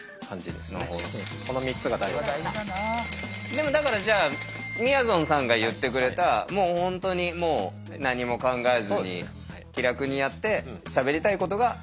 でもだからじゃあみやぞんさんが言ってくれた本当にもう何も考えずに気楽にやってしゃべりたいことがワッと出てきた。